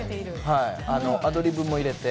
アドリブも入れて。